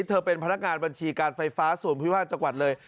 เธอเป็นพนักงานบัญชีการไฟฟ้าส่วนพิพาทจังหวัดเลย